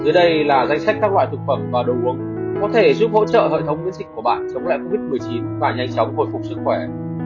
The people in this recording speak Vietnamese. dưới đây là danh sách các loại thực phẩm và đồ uống có thể giúp hỗ trợ hệ thống miễn dịch của bạn chống lại covid một mươi chín và nhanh chóng hồi phục sức khỏe